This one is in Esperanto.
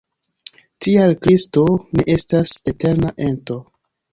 Tial Kristo ne estas eterna ento.